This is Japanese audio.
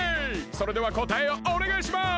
それではこたえをおねがいします！